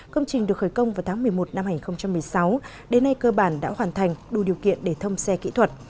công trình được khởi công vào tháng một mươi một năm hai nghìn một mươi sáu đến nay cơ bản đã hoàn thành đủ điều kiện để thông xe kỹ thuật